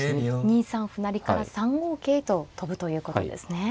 ２三歩成から３五桂と跳ぶということですね。